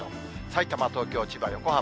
さいたま、東京、千葉、横浜。